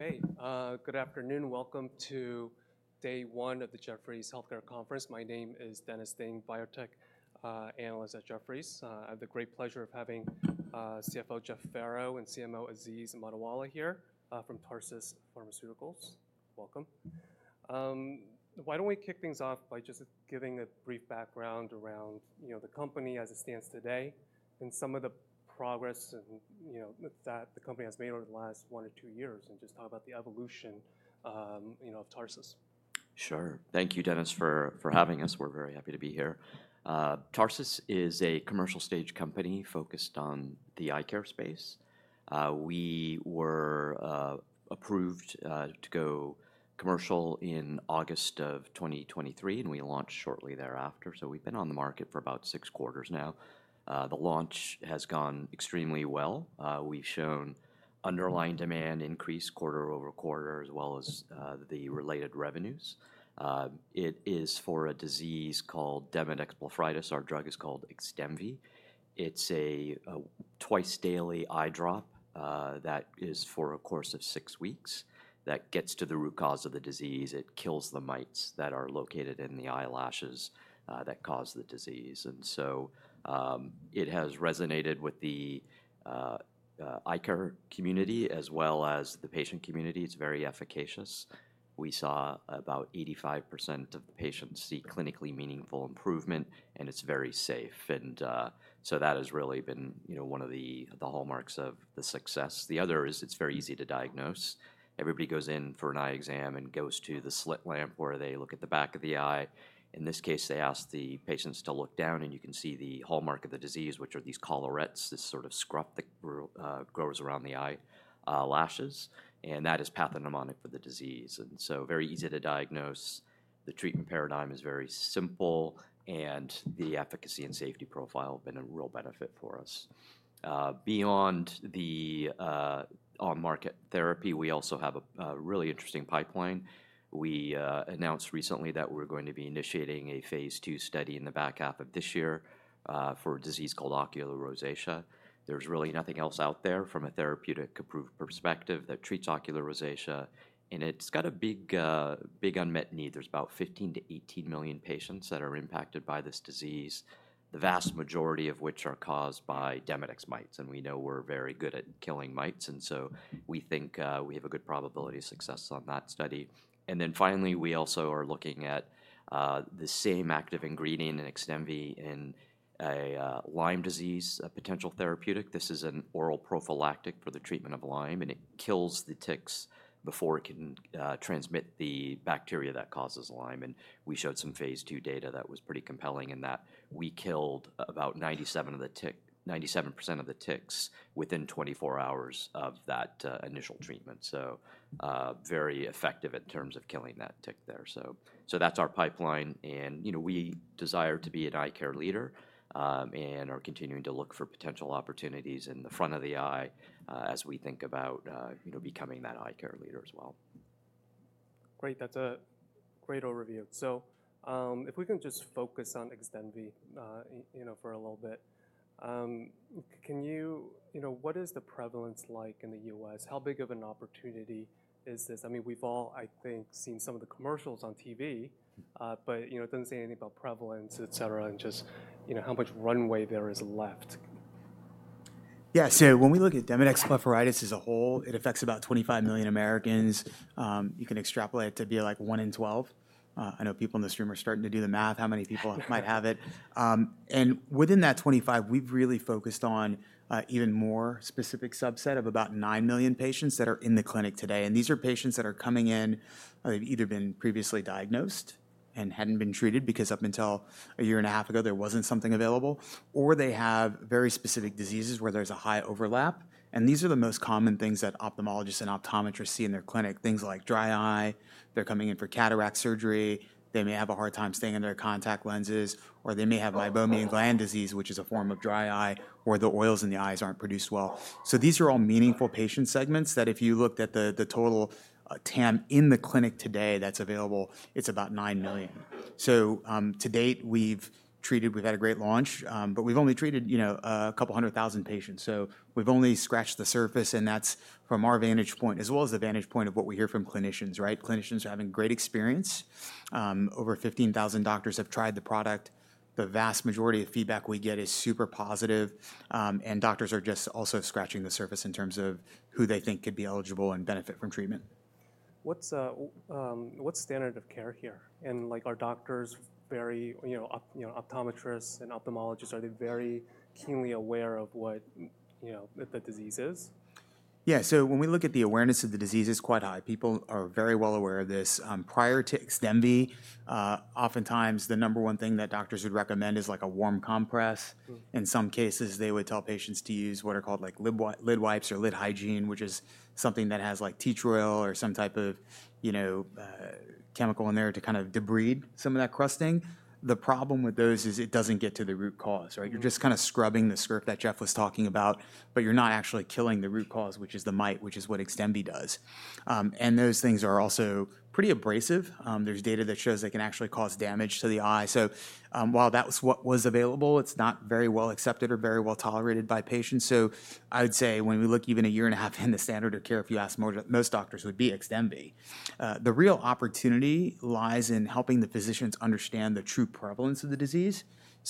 Hey, good afternoon. Welcome to day one of the Jefferies Healthcare Conference. My name is Dennis Ding, biotech analyst at Jefferies. I have the great pleasure of having CFO Jeff Farrow and CMO Aziz Mottiwala here from Tarsus Pharmaceuticals. Welcome. Why don't we kick things off by just giving a brief background around the company as it stands today and some of the progress that the company has made over the last one or two years, and just talk about the evolution of Tarsus? Sure. Thank you, Dennis, for having us. We're very happy to be here. Tarsus is a commercial-stage company focused on the eye care space. We were approved to go commercial in August of 2023, and we launched shortly thereafter. We've been on the market for about six quarters now. The launch has gone extremely well. We've shown underlying demand increase quarter over quarter, as well as the related revenues. It is for a disease called Demodex blepharitis. Our drug is called XDEMVY. It's a twice-daily eye drop that is for a course of six weeks that gets to the root cause of the disease. It kills the mites that are located in the eyelashes that cause the disease. It has resonated with the eye care community as well as the patient community. It's very efficacious. We saw about 85% of the patients see clinically meaningful improvement, and it's very safe. That has really been one of the hallmarks of the success. The other is it's very easy to diagnose. Everybody goes in for an eye exam and goes to the slit lamp where they look at the back of the eye. In this case, they ask the patients to look down, and you can see the hallmark of the disease, which are these collarets, this sort of scrub that grows around the eyelashes. That is pathognomonic for the disease. Very easy to diagnose. The treatment paradigm is very simple, and the efficacy and safety profile have been a real benefit for us. Beyond the on-market therapy, we also have a really interesting pipeline. We announced recently that we're going to be initiating a phase II study in the back half of this year for a disease called ocular rosacea. There's really nothing else out there from a therapeutic-approved perspective that treats ocular rosacea, and it's got a big unmet need. There's about 15-18 million patients that are impacted by this disease, the vast majority of which are caused by Demodex mites. We know we're very good at killing mites, and we think we have a good probability of success on that study. Finally, we also are looking at the same active ingredient in XDEMVY in a Lyme disease potential therapeutic. This is an oral prophylactic for the treatment of Lyme, and it kills the ticks before it can transmit the bacteria that causes Lyme. We showed some phase II data that was pretty compelling in that we killed about 97% of the ticks within 24 hours of that initial treatment. Very effective in terms of killing that tick there. That is our pipeline. We desire to be an eye care leader and are continuing to look for potential opportunities in the front of the eye as we think about becoming that eye care leader as well. Great. That's a great overview. If we can just focus on XDEMVY for a little bit, can you know what is the prevalence like in the U.S.? How big of an opportunity is this? I mean, we've all, I think, seen some of the commercials on TV, but it does not say anything about prevalence, et cetera, and just how much runway there is left. Yeah. When we look at Demodex blepharitis as a whole, it affects about 25 million Americans. You can extrapolate it to be like 1 in 12. I know people in the stream are starting to do the math, how many people might have it. Within that 25, we've really focused on an even more specific subset of about 9 million patients that are in the clinic today. These are patients that are coming in. They've either been previously diagnosed and hadn't been treated because up until a year and a half ago, there wasn't something available, or they have very specific diseases where there's a high overlap. These are the most common things that ophthalmologists and optometrists see in their clinic, things like dry eye. They're coming in for cataract surgery. They may have a hard time staying in their contact lenses, or they may have meibomian gland disease, which is a form of dry eye, where the oils in the eyes aren't produced well. These are all meaningful patient segments that if you looked at the total TAM in the clinic today that's available, it's about 9 million. To date, we've treated. We've had a great launch, but we've only treated a couple hundred thousand patients. We've only scratched the surface, and that's from our vantage point as well as the vantage point of what we hear from clinicians, right? Clinicians are having great experience. Over 15,000 doctors have tried the product. The vast majority of feedback we get is super positive, and doctors are just also scratching the surface in terms of who they think could be eligible and benefit from treatment. What's standard of care here? Are doctors, optometrists, and ophthalmologists, are they very keenly aware of what the disease is? Yeah. When we look at the awareness of the disease, it's quite high. People are very well aware of this. Prior to XDEMVY, oftentimes the number one thing that doctors would recommend is like a warm compress. In some cases, they would tell patients to use what are called lid wipes or lid hygiene, which is something that has like tea tree oil or some type of chemical in there to kind of debride some of that crusting. The problem with those is it doesn't get to the root cause, right? You're just kind of scrubbing the script that Jeff was talking about, but you're not actually killing the root cause, which is the mite, which is what XDEMVY does. Those things are also pretty abrasive. There's data that shows they can actually cause damage to the eye. While that was what was available, it's not very well accepted or very well tolerated by patients. I would say when we look even a year and a half in, the standard of care, if you ask most doctors, would be XDEMVY. The real opportunity lies in helping the physicians understand the true prevalence of the disease.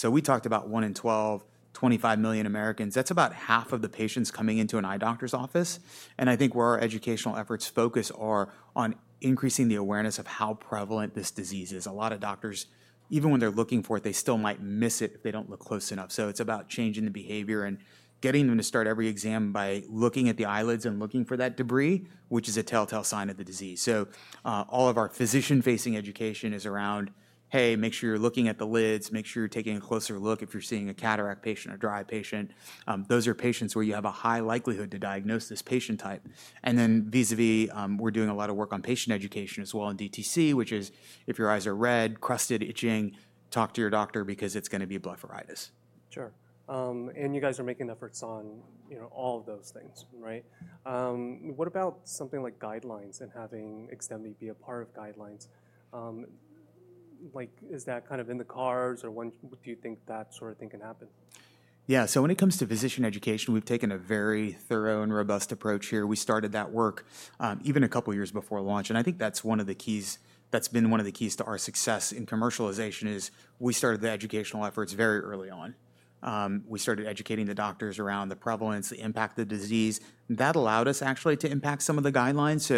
We talked about 1 in 12, 25 million Americans. That's about half of the patients coming into an eye doctor's office. I think where our educational efforts focus are on increasing the awareness of how prevalent this disease is. A lot of doctors, even when they're looking for it, they still might miss it if they don't look close enough. It's about changing the behavior and getting them to start every exam by looking at the eyelids and looking for that debris, which is a telltale sign of the disease. All of our physician-facing education is around, hey, make sure you're looking at the lids. Make sure you're taking a closer look if you're seeing a cataract patient or dry eye patient. Those are patients where you have a high likelihood to diagnose this patient type. Vis-à-vis, we're doing a lot of work on patient education as well in DTC, which is if your eyes are red, crusted, itching, talk to your doctor because it's going to be blepharitis. Sure. And you guys are making efforts on all of those things, right? What about something like guidelines and having XDEMVY be a part of guidelines? Is that kind of in the cards, or do you think that sort of thing can happen? Yeah. So when it comes to physician education, we've taken a very thorough and robust approach here. We started that work even a couple of years before launch. I think that's one of the keys that's been one of the keys to our success in commercialization is we started the educational efforts very early on. We started educating the doctors around the prevalence, the impact of the disease. That allowed us actually to impact some of the guidelines.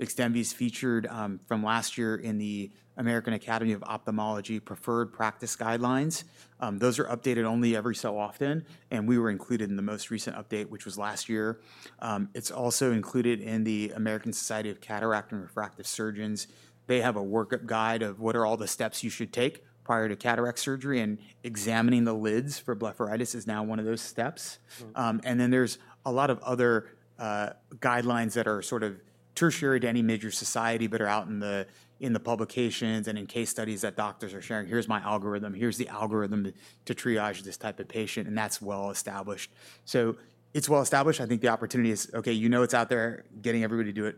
XDEMVY is featured from last year in the American Academy of Ophthalmology Preferred Practice Guidelines. Those are updated only every so often, and we were included in the most recent update, which was last year. It's also included in the American Society of Cataract and Refractive Surgeons. They have a workup guide of what are all the steps you should take prior to cataract surgery, and examining the lids for blepharitis is now one of those steps. There are a lot of other guidelines that are sort of tertiary to any major society, but are out in the publications and in case studies that doctors are sharing. Here's my algorithm. Here's the algorithm to triage this type of patient. That is well established. It is well established. I think the opportunity is, okay, you know it is out there, getting everybody to do it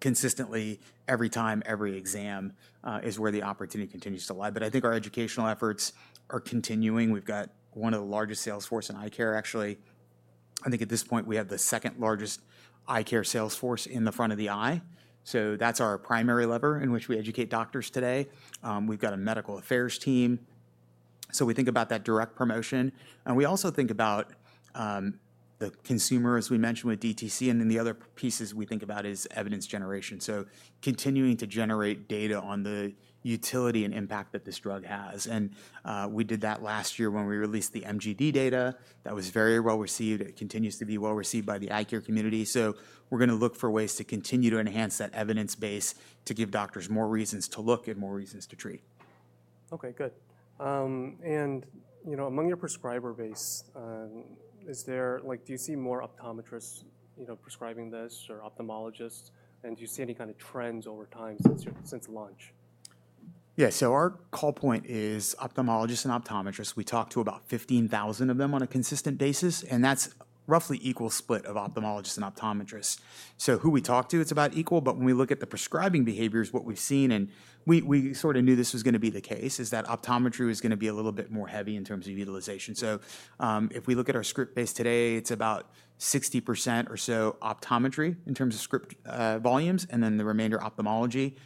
consistently every time, every exam is where the opportunity continues to lie. I think our educational efforts are continuing. We have one of the largest sales forces in eye care, actually. I think at this point, we have the second largest eye care sales force in the front of the eye. That's our primary lever in which we educate doctors today. We've got a medical affairs team. We think about that direct promotion. We also think about the consumer, as we mentioned with DTC. The other pieces we think about is evidence generation. Continuing to generate data on the utility and impact that this drug has. We did that last year when we released the MGD data. That was very well received. It continues to be well received by the eye care community. We're going to look for ways to continue to enhance that evidence base to give doctors more reasons to look and more reasons to treat. Okay. Good. Among your prescriber base, do you see more optometrists prescribing this or ophthalmologists? Do you see any kind of trends over time since launch? Yeah. Our call point is ophthalmologists and optometrists. We talk to about 15,000 of them on a consistent basis, and that is roughly equal split of ophthalmologists and optometrists. Who we talk to, it is about equal. When we look at the prescribing behaviors, what we have seen, and we sort of knew this was going to be the case, is that optometry was going to be a little bit more heavy in terms of utilization. If we look at our script base today, it is about 60% or so optometry in terms of script volumes, and then the remainder ophthalmology.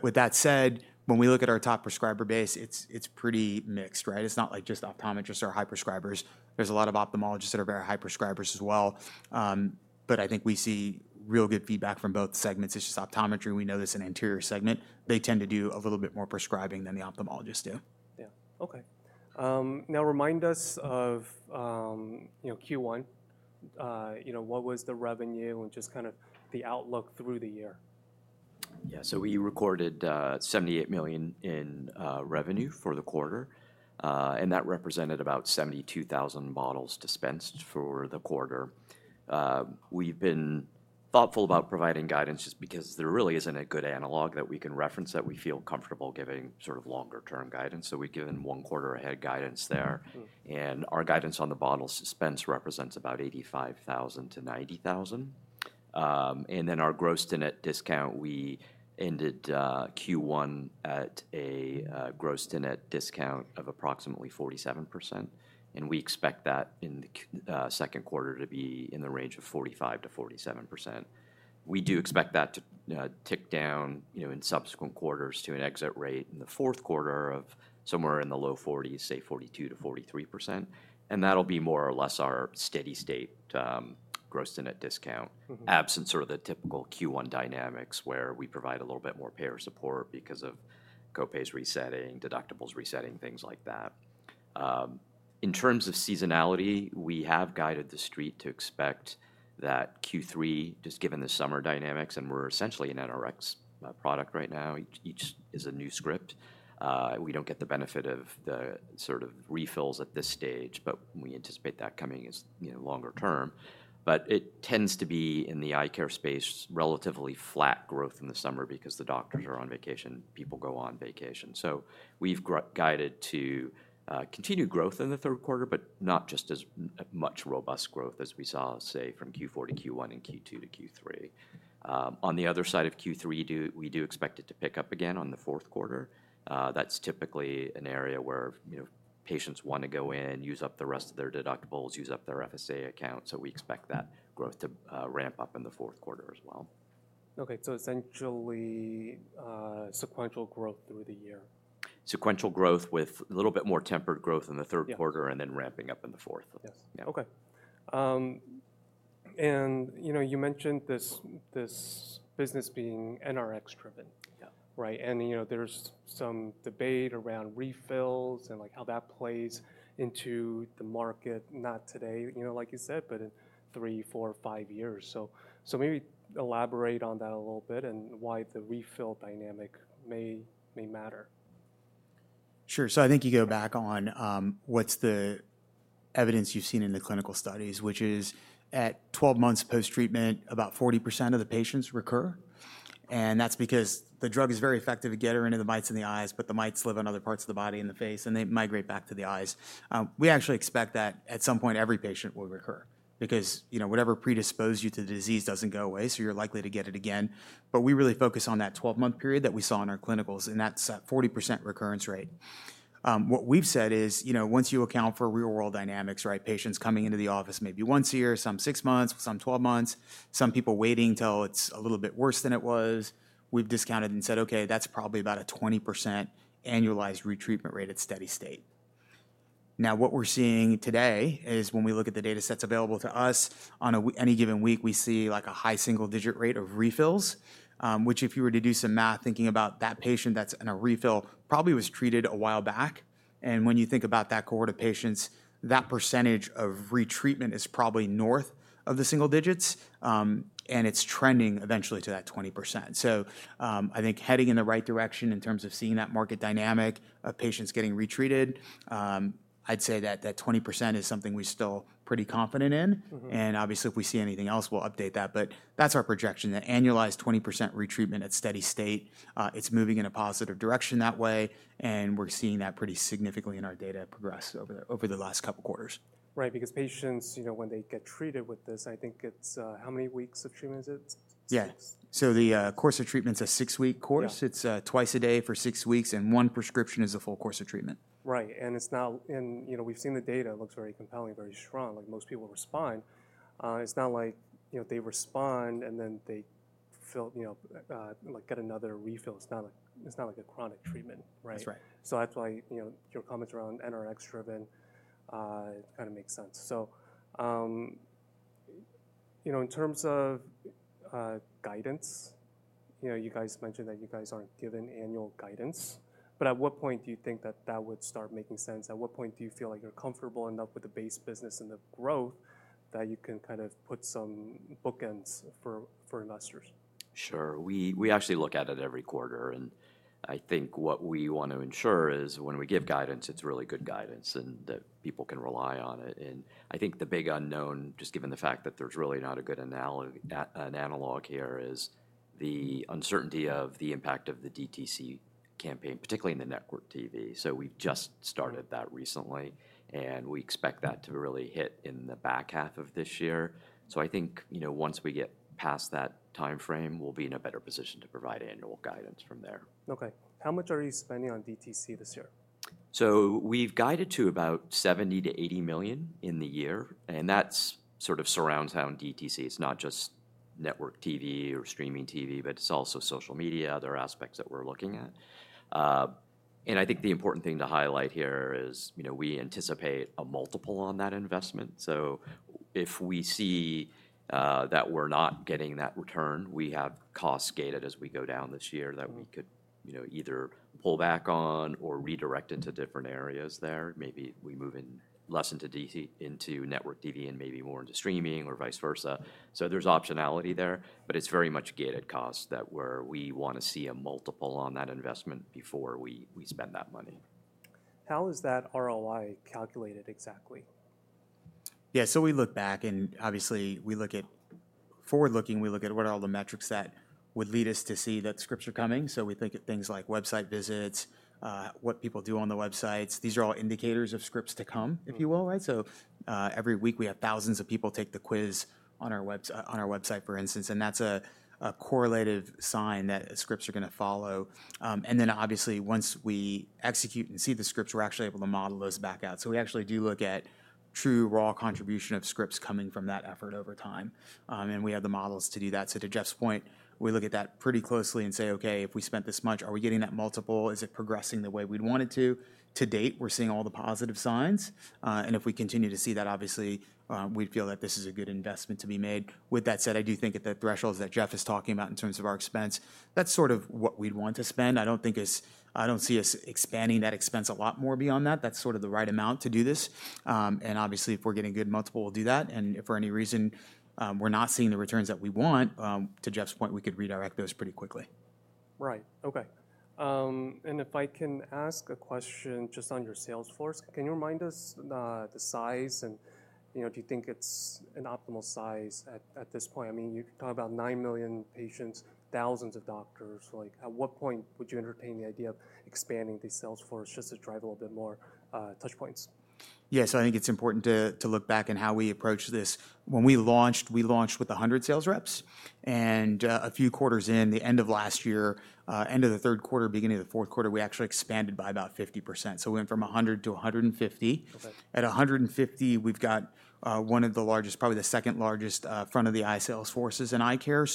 With that said, when we look at our top prescriber base, it is pretty mixed, right? It is not like just optometrists are high prescribers. There are a lot of ophthalmologists that are very high prescribers as well. I think we see real good feedback from both segments. It's just optometry. We know this in the anterior segment. They tend to do a little bit more prescribing than the ophthalmologists do. Yeah. Okay. Now remind us of Q1. What was the revenue and just kind of the outlook through the year? Yeah. So we recorded $78 million in revenue for the quarter, and that represented about 72,000 bottles dispensed for the quarter. We've been thoughtful about providing guidance just because there really isn't a good analog that we can reference that we feel comfortable giving sort of longer-term guidance. So we've given one-quarter-ahead guidance there. And our guidance on the bottles dispensed represents about 85,000-90,000. And then our gross-to-net discount, we ended Q1 at a gross-to-net discount of approximately 47%. And we expect that in the second quarter to be in the range of 45%-47%. We do expect that to tick down in subsequent quarters to an exit rate in the fourth quarter of somewhere in the low 40s, say 42%-43%. That'll be more or less our steady-state gross-to-net discount absent sort of the typical Q1 dynamics where we provide a little bit more payer support because of copays resetting, deductibles resetting, things like that. In terms of seasonality, we have guided the street to expect that Q3, just given the summer dynamics, and we're essentially an NRX product right now. Each is a new script. We don't get the benefit of the sort of refills at this stage, but we anticipate that coming as longer term. It tends to be in the eye care space, relatively flat growth in the summer because the doctors are on vacation. People go on vacation. We have guided to continued growth in the third quarter, but not just as much robust growth as we saw, say, from Q4 to Q1 and Q2 to Q3. On the other side of Q3, we do expect it to pick up again in the fourth quarter. That's typically an area where patients want to go in, use up the rest of their deductibles, use up their FSA account. We expect that growth to ramp up in the fourth quarter as well. Okay. So essentially sequential growth through the year. Sequential growth with a little bit more tempered growth in the third quarter and then ramping up in the fourth. Yes. Okay. You mentioned this business being NRX-driven, right? There is some debate around refills and how that plays into the market, not today, like you said, but in three, four, five years. Maybe elaborate on that a little bit and why the refill dynamic may matter. Sure. I think you go back on what's the evidence you've seen in the clinical studies, which is at 12 months post-treatment, about 40% of the patients recur. That's because the drug is very effective at getting rid of the mites in the eyes, but the mites live in other parts of the body, in the face, and they migrate back to the eyes. We actually expect that at some point, every patient will recur because whatever predisposed you to the disease doesn't go away, so you're likely to get it again. We really focus on that 12-month period that we saw in our clinicals, and that's that 40% recurrence rate. What we've said is once you account for real-world dynamics, right, patients coming into the office maybe once a year, some six months, some 12 months, some people waiting till it's a little bit worse than it was, we've discounted and said, okay, that's probably about a 20% annualized retreatment rate at steady state. Now, what we're seeing today is when we look at the data sets available to us, on any given week, we see a high single-digit rate of refills, which if you were to do some math thinking about that patient that's in a refill, probably was treated a while back. And when you think about that cohort of patients, that percentage of retreatment is probably north of the single digits, and it's trending eventually to that 20%. I think heading in the right direction in terms of seeing that market dynamic of patients getting retreated, I'd say that that 20% is something we're still pretty confident in. Obviously, if we see anything else, we'll update that. That's our projection, that annualized 20% retreatment at steady state. It's moving in a positive direction that way, and we're seeing that pretty significantly in our data progress over the last couple of quarters. Right. Because patients, when they get treated with this, I think it's how many weeks of treatment is it? Yeah. The course of treatment's a six-week course. It's twice a day for six weeks, and one prescription is a full course of treatment. Right. And we've seen the data. It looks very compelling, very strong. Most people respond. It's not like they respond and then they get another refill. It's not like a chronic treatment, right? That's right. That's why your comments around NRX-driven kind of make sense. In terms of guidance, you guys mentioned that you guys aren't giving annual guidance. At what point do you think that that would start making sense? At what point do you feel like you're comfortable enough with the base business and the growth that you can kind of put some bookends for investors? Sure. We actually look at it every quarter. I think what we want to ensure is when we give guidance, it's really good guidance and that people can rely on it. I think the big unknown, just given the fact that there's really not a good analog here, is the uncertainty of the impact of the DTC campaign, particularly in the network TV. We've just started that recently, and we expect that to really hit in the back half of this year. I think once we get past that time frame, we'll be in a better position to provide annual guidance from there. Okay. How much are you spending on DTC this year? We've guided to about $70 million-$80 million in the year. That sort of surrounds around DTC. It's not just network TV or streaming TV, but it's also social media, other aspects that we're looking at. I think the important thing to highlight here is we anticipate a multiple on that investment. If we see that we're not getting that return, we have costs gated as we go down this year that we could either pull back on or redirect into different areas there. Maybe we move less into network TV and maybe more into streaming or vice versa. There's optionality there, but it's very much gated costs where we want to see a multiple on that investment before we spend that money. How is that ROI calculated exactly? Yeah. We look back, and obviously, we look at forward-looking, we look at what are all the metrics that would lead us to see that scripts are coming. We think of things like website visits, what people do on the websites. These are all indicators of scripts to come, if you will, right? Every week, we have thousands of people take the quiz on our website, for instance. That is a correlative sign that scripts are going to follow. Obviously, once we execute and see the scripts, we're actually able to model those back out. We actually do look at true raw contribution of scripts coming from that effort over time. We have the models to do that. To Jeff's point, we look at that pretty closely and say, okay, if we spent this much, are we getting that multiple? Is it progressing the way we'd want it to? To date, we're seeing all the positive signs. If we continue to see that, obviously, we'd feel that this is a good investment to be made. With that said, I do think at the thresholds that Jeff is talking about in terms of our expense, that's sort of what we'd want to spend. I don't see us expanding that expense a lot more beyond that. That's sort of the right amount to do this. Obviously, if we're getting a good multiple, we'll do that. If for any reason we're not seeing the returns that we want, to Jeff's point, we could redirect those pretty quickly. Right. Okay. If I can ask a question just on your sales force, can you remind us the size and do you think it's an optimal size at this point? I mean, you talk about 9 million patients, thousands of doctors. At what point would you entertain the idea of expanding the sales force just to drive a little bit more touch points? Yeah. So I think it's important to look back in how we approach this. When we launched, we launched with 100 sales reps. A few quarters in, the end of last year, end of the third quarter, beginning of the fourth quarter, we actually expanded by about 50%. We went from 100 to 150. At 150, we've got one of the largest, probably the second largest front-of-the-eye sales forces in eye care.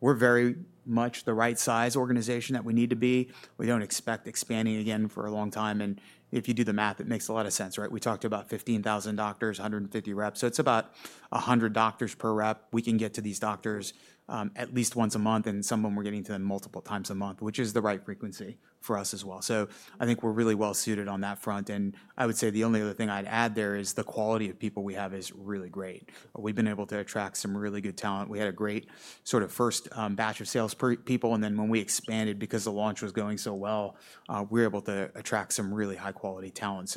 We're very much the right size organization that we need to be. We don't expect expanding again for a long time. If you do the math, it makes a lot of sense, right? We talked about 15,000 doctors, 150 reps. It's about 100 doctors per rep. We can get to these doctors at least once a month, and some of them we're getting to them multiple times a month, which is the right frequency for us as well. I think we're really well-suited on that front. I would say the only other thing I'd add there is the quality of people we have is really great. We've been able to attract some really good talent. We had a great sort of first batch of sales people. When we expanded, because the launch was going so well, we were able to attract some really high-quality talent.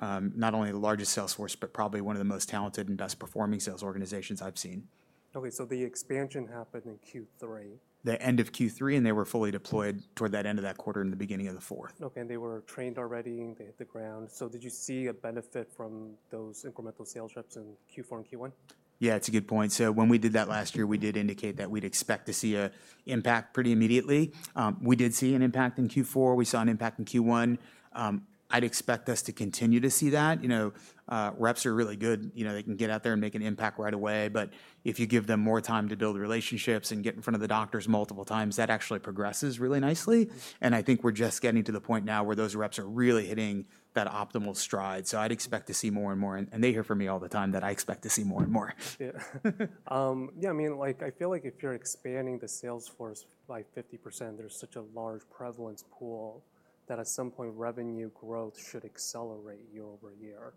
Not only the largest sales force, but probably one of the most talented and best-performing sales organizations I've seen. Okay. So the expansion happened in Q3. The end of Q3, and they were fully deployed toward that end of that quarter and the beginning of the fourth. Okay. They were trained already and they hit the ground. Did you see a benefit from those incremental sales reps in Q4 and Q1? Yeah, it's a good point. When we did that last year, we did indicate that we'd expect to see an impact pretty immediately. We did see an impact in Q4. We saw an impact in Q1. I'd expect us to continue to see that. Reps are really good. They can get out there and make an impact right away. If you give them more time to build relationships and get in front of the doctors multiple times, that actually progresses really nicely. I think we're just getting to the point now where those reps are really hitting that optimal stride. I'd expect to see more and more. They hear from me all the time that I expect to see more and more. Yeah. Yeah. I mean, I feel like if you're expanding the sales force by 50%, there's such a large prevalence pool that at some point, revenue growth should accelerate year over year.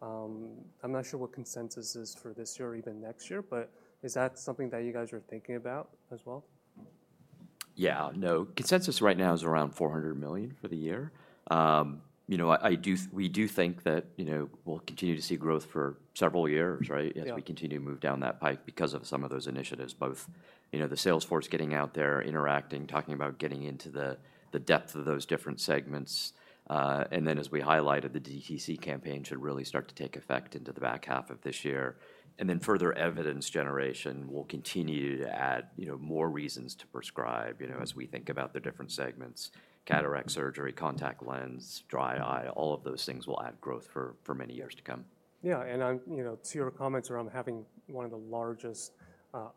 I'm not sure what consensus is for this year or even next year, but is that something that you guys are thinking about as well? Yeah. No, consensus right now is around $400 million for the year. We do think that we'll continue to see growth for several years, right, as we continue to move down that pipe because of some of those initiatives, both the sales force getting out there, interacting, talking about getting into the depth of those different segments. As we highlighted, the DTC campaign should really start to take effect into the back half of this year. Further evidence generation will continue to add more reasons to prescribe as we think about the different segments: cataract surgery, contact lens, dry eye. All of those things will add growth for many years to come. Yeah. To your comments around having one of the largest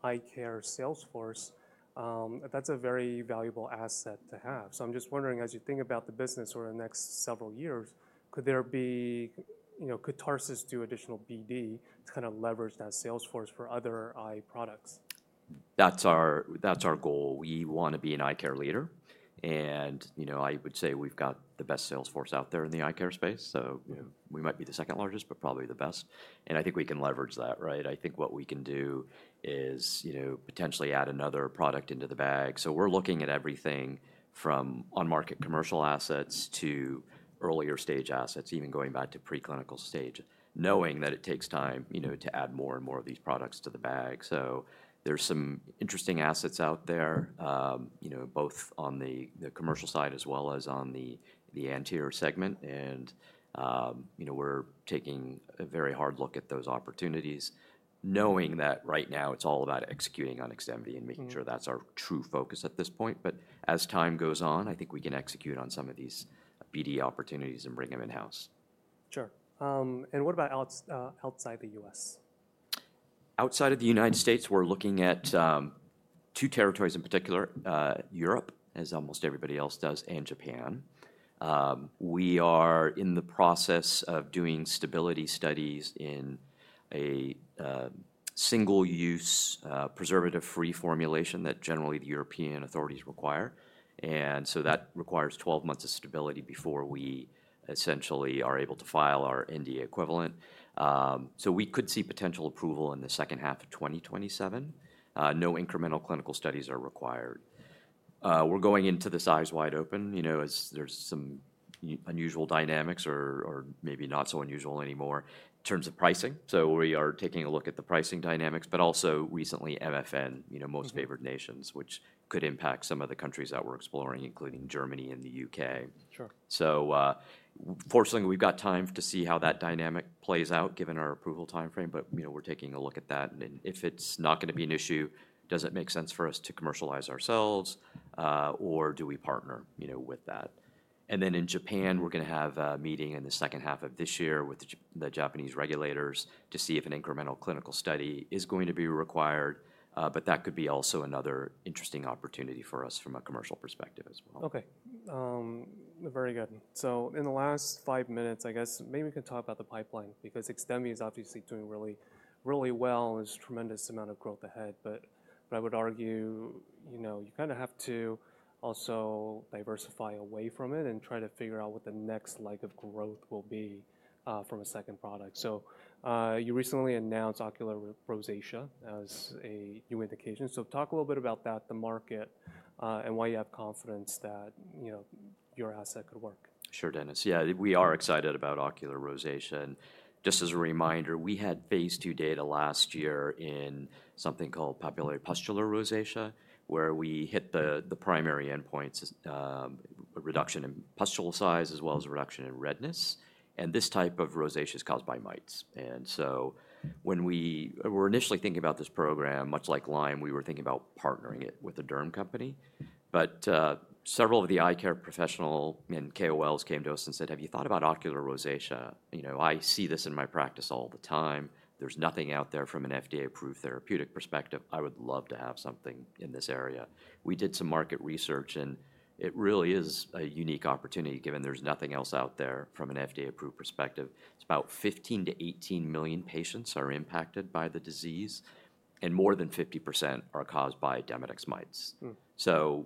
eye care sales force, that's a very valuable asset to have. I'm just wondering, as you think about the business over the next several years, could Tarsus do additional BD to kind of leverage that sales force for other eye products? That's our goal. We want to be an eye care leader. I would say we've got the best sales force out there in the eye care space. We might be the second largest, but probably the best. I think we can leverage that, right? I think what we can do is potentially add another product into the bag. We're looking at everything from on-market commercial assets to earlier stage assets, even going back to preclinical stage, knowing that it takes time to add more and more of these products to the bag. There are some interesting assets out there, both on the commercial side as well as on the anterior segment. We're taking a very hard look at those opportunities, knowing that right now it's all about executing on XDEMVY and making sure that's our true focus at this point. As time goes on, I think we can execute on some of these BD opportunities and bring them in-house. Sure. What about outside the U.S.? Outside of the United States, we're looking at two territories in particular: Europe as almost everybody else does, and Japan. We are in the process of doing stability studies in a single-use preservative-free formulation that generally the European authorities require. That requires 12 months of stability before we essentially are able to file our NDA equivalent. We could see potential approval in the second half of 2027. No incremental clinical studies are required. We're going into this eyes wide open as there's some unusual dynamics or maybe not so unusual anymore in terms of pricing. We are taking a look at the pricing dynamics, but also recently MFN, Most Favored Nations, which could impact some of the countries that we're exploring, including Germany and the U.K. Fortunately, we've got time to see how that dynamic plays out given our approval time frame. We're taking a look at that. If it's not going to be an issue, does it make sense for us to commercialize ourselves, or do we partner with that? In Japan, we're going to have a meeting in the second half of this year with the Japanese regulators to see if an incremental clinical study is going to be required. That could be also another interesting opportunity for us from a commercial perspective as well. Okay. Very good. In the last five minutes, I guess maybe we can talk about the pipeline because XDEMVY is obviously doing really, really well and has a tremendous amount of growth ahead. I would argue you kind of have to also diversify away from it and try to figure out what the next leg of growth will be from a second product. You recently announced ocular rosacea as a new indication. Talk a little bit about that, the market, and why you have confidence that your asset could work. Sure, Dennis. Yeah, we are excited about ocular rosacea. Just as a reminder, we had phase II data last year in something called papillary pustular rosacea where we hit the primary endpoints, a reduction in pustule size as well as a reduction in redness. This type of rosacea is caused by mites. When we were initially thinking about this program, much like Lyme, we were thinking about partnering it with a derm company. Several of the eye care professionals and KOLs came to us and said, "Have you thought about ocular rosacea? I see this in my practice all the time. There's nothing out there from an FDA-approved therapeutic perspective. I would love to have something in this area." We did some market research, and it really is a unique opportunity given there's nothing else out there from an FDA-approved perspective. It's about 15-18 million patients that are impacted by the disease, and more than 50% are caused by Demodex mites.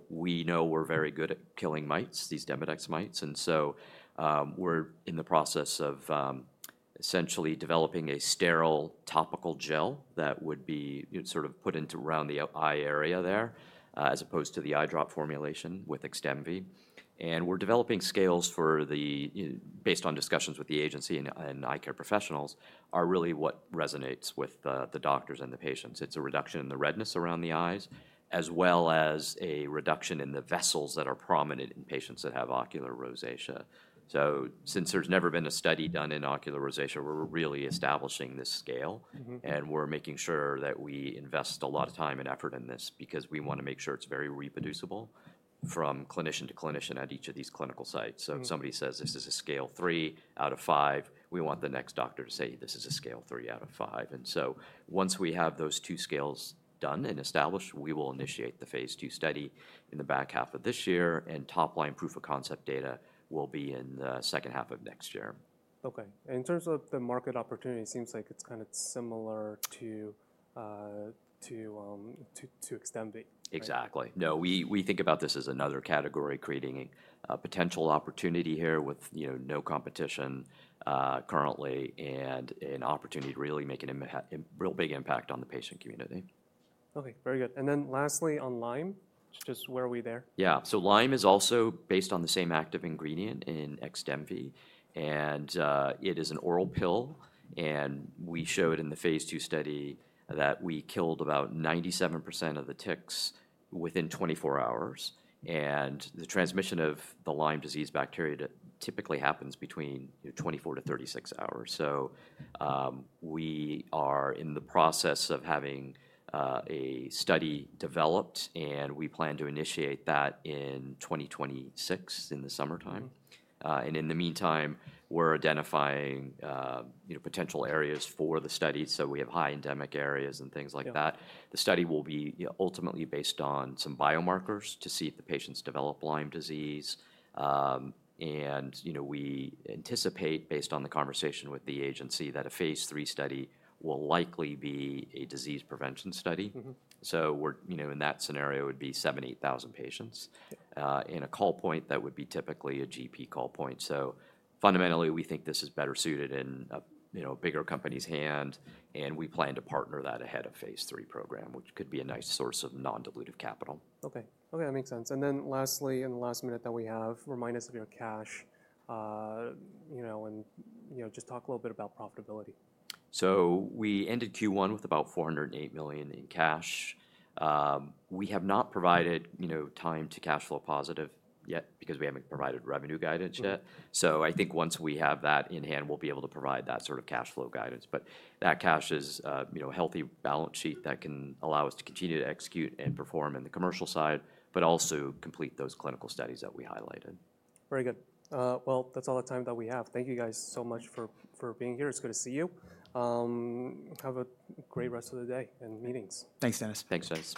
We know we're very good at killing mites, these Demodex mites. We're in the process of essentially developing a sterile topical gel that would be sort of put around the eye area there as opposed to the eye drop formulation with XDEMVY. We're developing scales based on discussions with the agency, and eye care professionals are really what resonates with the doctors and the patients. It's a reduction in the redness around the eyes as well as a reduction in the vessels that are prominent in patients that have ocular rosacea. Since there's never been a study done in ocular rosacea, we're really establishing this scale. We're making sure that we invest a lot of time and effort in this because we want to make sure it's very reproducible from clinician to clinician at each of these clinical sites. If somebody says, "This is a scale three out of five," we want the next doctor to say, "This is a scale three out of five." Once we have those two scales done and established, we will initiate the phase II study in the back half of this year. Top-line proof of concept data will be in the second half of next year. Okay. In terms of the market opportunity, it seems like it's kind of similar to XDEMVY. Exactly. No, we think about this as another category creating a potential opportunity here with no competition currently and an opportunity to really make a real big impact on the patient community. Okay. Very good. Lastly on Lyme, just where are we there? Yeah. Lyme is also based on the same active ingredient in XDEMVY. It is an oral pill. We showed in the phase II study that we killed about 97% of the ticks within 24 hours. The transmission of the Lyme disease bacteria typically happens between 24-36 hours. We are in the process of having a study developed, and we plan to initiate that in 2026 in the summertime. In the meantime, we're identifying potential areas for the study. We have high endemic areas and things like that. The study will be ultimately based on some biomarkers to see if the patients develop Lyme disease. We anticipate, based on the conversation with the agency, that a phase III study will likely be a disease prevention study. In that scenario, it would be 78,000 patients in a call point that would be typically a GP call point. Fundamentally, we think this is better suited in a bigger company's hand. We plan to partner that ahead of phase III program, which could be a nice source of non-dilutive capital. Okay. Okay. That makes sense. Lastly, in the last minute that we have, remind us of your cash and just talk a little bit about profitability. We ended Q1 with about $408 million in cash. We have not provided time to cash flow positive yet because we have not provided revenue guidance yet. I think once we have that in hand, we will be able to provide that sort of cash flow guidance. That cash is a healthy balance sheet that can allow us to continue to execute and perform in the commercial side, but also complete those clinical studies that we highlighted. Very good. That's all the time that we have. Thank you guys so much for being here. It's good to see you. Have a great rest of the day and meetings. Thanks, Dennis. Thanks, guys.